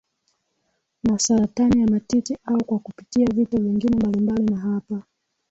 na saratani ya matiti au kwa kupitia vitu vingine mbalimbali na hapa